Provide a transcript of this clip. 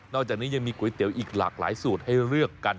อกจากนี้ยังมีก๋วยเตี๋ยวอีกหลากหลายสูตรให้เลือกกัน